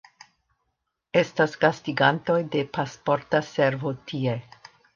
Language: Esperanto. Estas gastigantoj de Pasporta Servo tie.